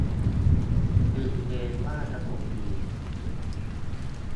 จึงเกรงว่าจะหลบหนี